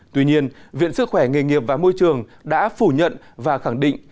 tuy nhiên viện sức khỏe nghề nghiệp và môi trường đã phủ nhận và khẳng định